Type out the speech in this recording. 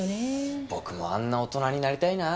僕もあんな大人になりたいな。